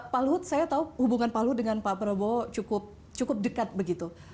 pak luhut saya tahu hubungan pak luhut dengan pak prabowo cukup dekat begitu